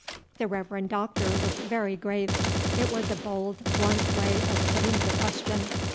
The Reverend Doctor looked very grave. It was a bold, blunt way of putting the question.